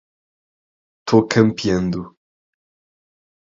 Tô campeando